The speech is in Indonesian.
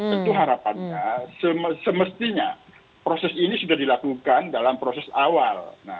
tentu harapannya semestinya proses ini sudah dilakukan dalam proses awal